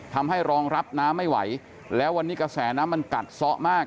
ทำให้รองรับน้ำไม่ไหวแล้ววันนี้กระแสน้ำมันกัดซ้อมาก